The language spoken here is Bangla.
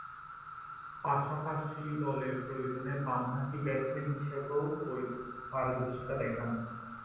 পাশাপাশি, দলের প্রয়োজনে বামহাতি ব্যাটসম্যান হিসেবেও পারদর্শিতা দেখান।